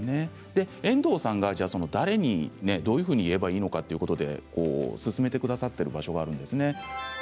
遠藤さんは誰にどういうふうに言えばいいのか勧めてくださっている場所があります。